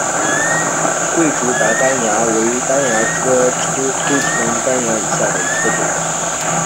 桂竹白斑蚜为斑蚜科凸唇斑蚜属下的一个种。